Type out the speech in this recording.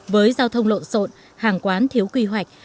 với giao thông lộn xộn hàng quán thiếu quy hoạch